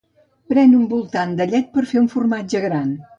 Pren un voltant de llet per fer un formatge gran.